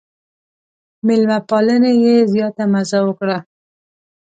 مېلمه پالنې یې زیاته مزه وکړه.